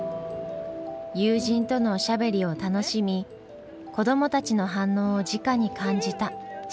友人とのおしゃべりを楽しみ子どもたちの反応をじかに感じた下関の旅。